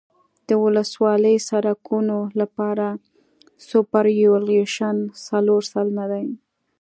د ولسوالي سرکونو لپاره سوپرایلیویشن څلور سلنه دی